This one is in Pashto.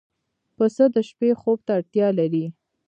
پسه د شپې خوب ته اړتیا لري.